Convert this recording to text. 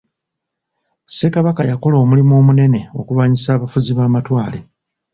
Ssekabaka yakola omulimu omunene okulwanyisa abafuzi b'amatwale.